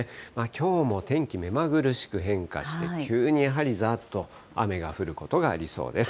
きょうも天気、目まぐるしく変化して、急にやはりざーっと雨が降ることがありそうです。